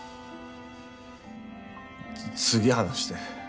次話して。